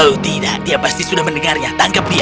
kalau tidak dia pasti sudah mendengarnya tangkap dia